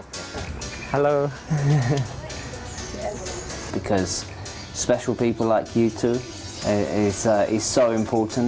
karena orang orang khas seperti anda juga sangat penting